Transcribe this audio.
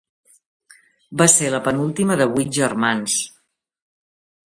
Va ser la penúltima de vuit germans.